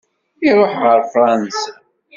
Iruḥ ɣer Fransa.